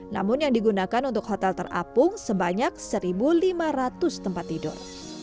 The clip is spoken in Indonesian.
namun yang digunakan untuk hotel terapung sebanyak satu lima ratus tempat tidur